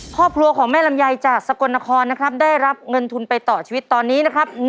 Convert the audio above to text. ครอบครัวของแม่ลำไยจากสกลนครนะครับได้รับเงินทุนไปต่อชีวิตตอนนี้นะครับ